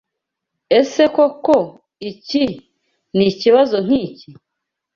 Ese koko iki nikibazo nkiki?